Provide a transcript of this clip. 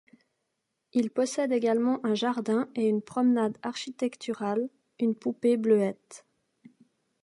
Il possède également un jardin et une promenade architecturale, une poupée Bleuette...